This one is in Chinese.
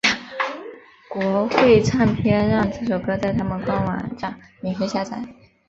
国会唱片让这首歌在他们官方网站上免费下载。